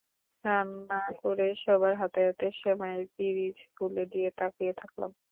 রান্না করে সবার হাতে হাতে সেমাইয়ের পিরিচ তুলে দিয়ে তাকিয়ে থাকলাম।